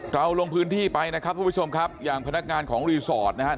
เราลงพื้นที่ไปนะครับทุกผู้ชมครับอย่างพนักงานของรีสอร์ทนะครับ